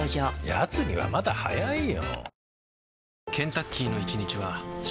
やつにはまだ早いよ。